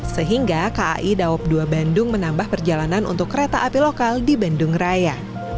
sehingga kai daob dua bandung menambah perjalanan untuk kereta api lokal di bandung raya